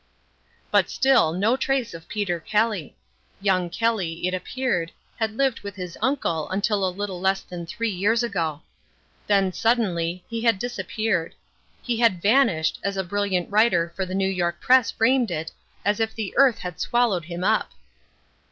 But still no trace of Peter Kelly. Young Kelly, it appeared, had lived with his uncle until a little less than three years ago. Then suddenly he had disappeared. He had vanished, as a brilliant writer for the New York Press framed it, as if the earth had swallowed him up.